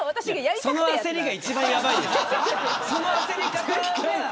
その焦り方が一番やばい。